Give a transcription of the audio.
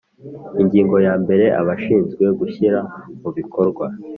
Ingingo ya mbere Abashinzwe gushyira mu bikorwa